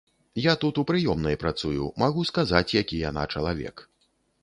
Я тут у прыёмнай працую, магу сказаць, які яна чалавек.